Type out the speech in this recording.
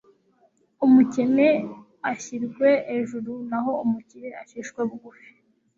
umukene ashyirwe ejuru naho umukire acishwe bugufi